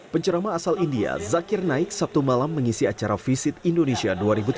pencerama asal india zakir naik sabtu malam mengisi acara visit indonesia dua ribu tujuh belas